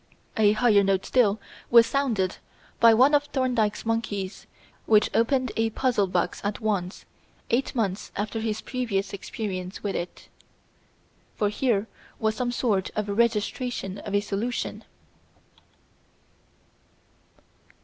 A higher note still was sounded by one of Thorndike's monkeys which opened a puzzle box at once, eight months after his previous experience with it. For here was some sort of registration of a solution.